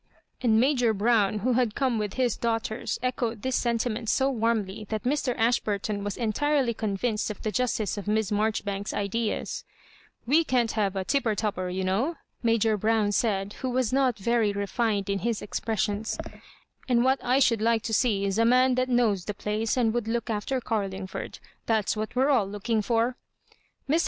And Major Brown, who had come with his daughters, echoed this sentiment so warmly that Mr. Ashburton was entirely convinced of the justice of Miss Marjoribanks's ideaa ''We can't have a tip topper, you know," Major Brown said, who was not very, refined in his expres sions; and what I should like to see is a man that knows the place and would look after Car lingford. Thafs what we're all looking for." Mr.